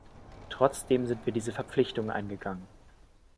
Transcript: Trotzdem sind wir diese Verpflichtung eingegangen.